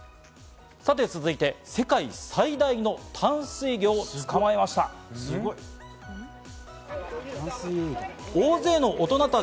続いて、世界最大の淡水魚を捕まえました。